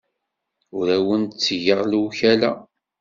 Ur awen-d-ttgeɣ lewkala.